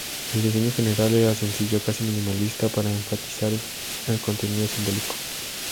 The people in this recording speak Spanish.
El diseño general era sencillo, casi minimalista, para enfatizar el contenido simbólico.